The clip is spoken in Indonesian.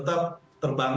jadi saya pikir ini penting